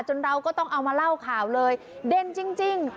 เราก็ต้องเอามาเล่าข่าวเลยเด่นจริง